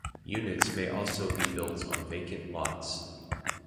Units may also be built on vacant lots.